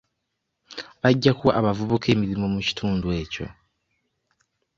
Bajja kuwa abavubuka emirimu mu kitundu ekyo.